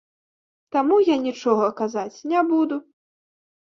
Таму я нічога казаць не буду.